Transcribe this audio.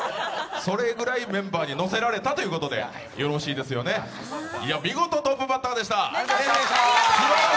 それぐらいメンバーにのせられたということでよろしいですよね、見事、トップバッターでした！